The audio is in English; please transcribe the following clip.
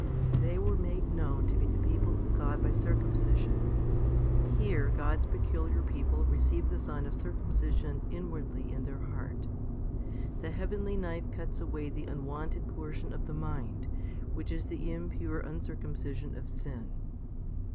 They were made known to be the people of God by circumcision : here, God's peculiar people receive the sign of circumcision inwardly in their heart. The heavenly knife cuts away the unwanted portion of the mind, which is the impure uncircumcision of sin.